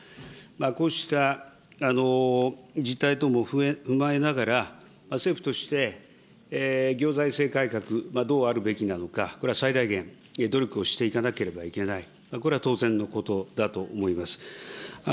こうした実態等も踏まえながら、政府として行財政改革、どうあるべきなのか、これは最大限努力をしていかなければいけない、これは当然のことだと思います。